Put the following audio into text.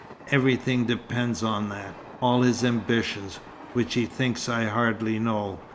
Everything depends on that all his ambitions, which he thinks I hardly know.